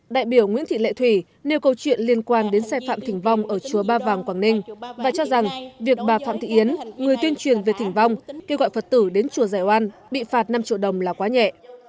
đại biểu nguyễn thị lệ thủy nêu câu chuyện liên quan đến xe phạm thỉnh vong ở chùa ba vàng quảng ninh và cho rằng việc bà phạm thị yến người tuyên truyền về thỉnh vong kêu gọi phật tử đến chùa giải oan bị phạt năm triệu đồng là quá nhẹ